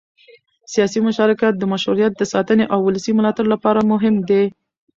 سیاسي مشارکت د مشروعیت د ساتنې او ولسي ملاتړ لپاره مهم دی